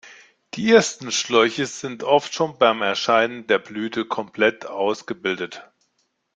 Die ersten Schläuche sind oft schon bei Erscheinen der Blüte komplett ausgebildet.